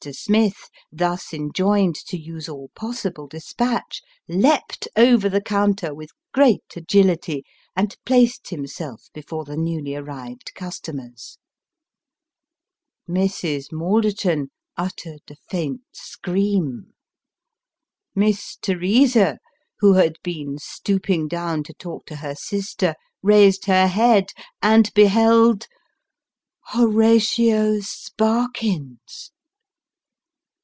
Smith, thus enjoined to use all possible despatch, leaped over the counter with great agility, and placed himself before the newly arrived customers. Mrs. Malderton uttered a faint scream ; Miss Teresa, who had been stooping down to talk to her sister, raised her head, and beheld Horatio Sparkins